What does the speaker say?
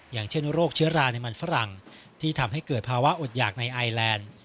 อย่างเช่นโรคเชื้อราในมันฝรั่งที่ทำให้เกิดภาวะอดหยากในไอแลนด์